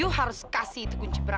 hah dua puluh juta